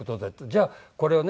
じゃあこれをね